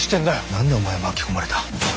何でお前は巻き込まれた？